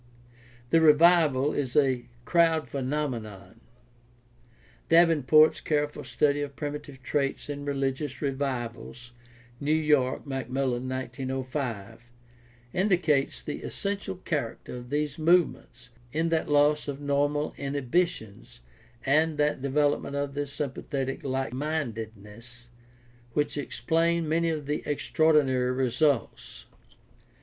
The revival is a crowd phenomenon. Daven port's careful study of Primitive Traits in Religious Revivals (New York: Macmillan, 1905) indicates the essential char acter of these movements in that loss of normal inhibitions and that development of the "sympathetic likemindedness" which explain many of the extraordinary results.